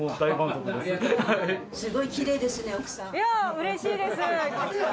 うれしいです。